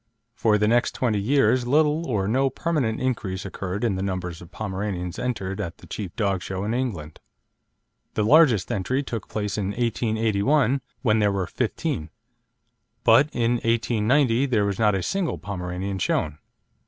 For the next twenty years little or no permanent increase occurred in the numbers of Pomeranians entered at the chief dog show in England. The largest entry took place in 1881, when there were fifteen; but in 1890 there was not a single Pomeranian shown.